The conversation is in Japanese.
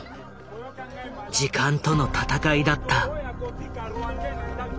時間との闘いだった。